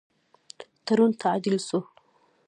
تړون تعدیل سو.